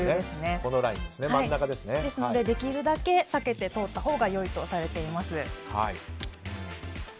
ですので、できるだけ避けて通ったほうが良いとされています。